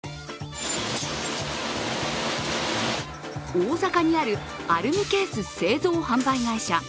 大阪にあるアルミケース製造・販売会社。